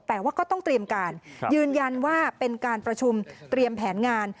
แต่ว่าก็ต้องเตรียมการยืนยันว่าเป็นการประชุมเตรียมแผนงาน